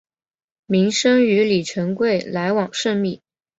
明升与李成桂来往甚密。